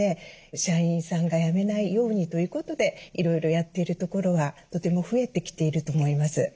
社員さんが辞めないようにということでいろいろやってるところはとても増えてきていると思います。